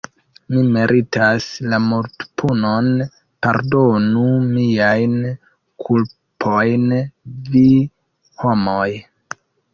Mi meritas la mortpunon, pardonu miajn kulpojn vi, homoj!